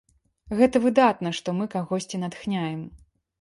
Гэта выдатна, што мы кагосьці натхняем.